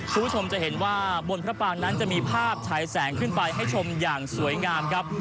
คุณผู้ชมจะเห็นว่าบนพระปางนั้นจะมีภาพฉายแสงขึ้นไปให้ชมอย่างสวยงามครับ